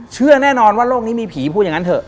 เชื่อแน่นอนว่าโลกนี้มีผีพูดอย่างนั้นเถอ